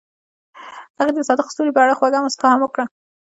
هغې د صادق ستوري په اړه خوږه موسکا هم وکړه.